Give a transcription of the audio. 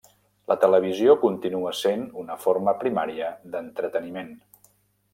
La televisió continua sent una forma primària d'entreteniment.